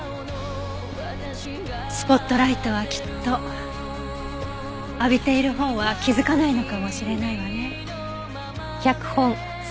スポットライトはきっと浴びているほうは気づかないのかもしれないわね。